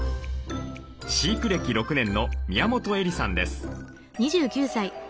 飼育歴６年の宮本恵里さんです。